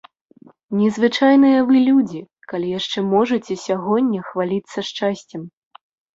Незвычайныя вы людзі, калі яшчэ можаце сягоння хваліцца шчасцем.